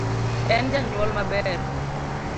En janyuol maber